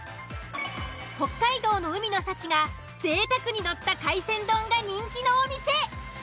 北海道の海の幸が贅沢にのった海鮮丼が人気のお店。